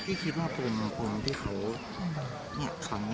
พี่คิดว่าควรลงทุนที่เขาอยากทำ